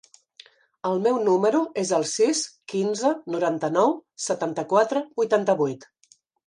El meu número es el sis, quinze, noranta-nou, setanta-quatre, vuitanta-vuit.